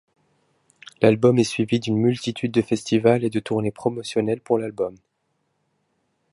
L'album est suivi d'une multitude de festivals et de tournées promotionnelles pour l'album.